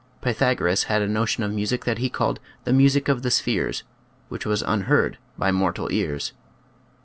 Pythagoras had a notion of music that he called " the music of the spheres," which was unheard by mortal ears.